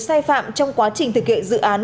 sai phạm trong quá trình thực hiện dự án